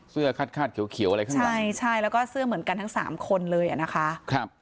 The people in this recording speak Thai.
เสื้อคาดเขียวอะไรข้างหลังใช่แล้วก็เสื้อเหมือนกันทั้งสามคนเลยอ่ะนะคะ